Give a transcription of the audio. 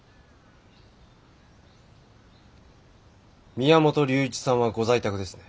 宮本龍一さんはご在宅ですね？